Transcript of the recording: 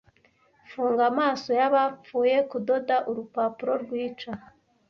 funga amaso y'abapfuye kudoda urupapuro rwica